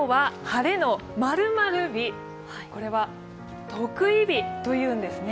これは特異日というんですね。